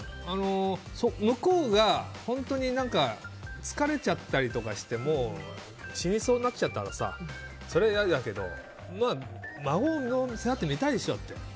向こうが本当に疲れちゃったりとかして死にそうになっちゃったらそれは嫌だけど孫の姿見たいでしょって。